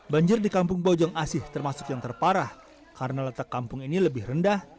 banjir di kampung bojong asih termasuk yang terparah karena letak kampung ini lebih rendah